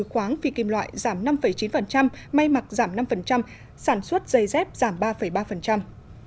khóáng phi kim loại giảm năm chín may mặt giảm năm sản xuất dây dép giảm ba ba